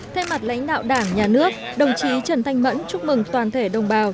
thay mặt lãnh đạo đảng nhà nước đồng chí trần thanh mẫn chúc mừng toàn thể đồng bào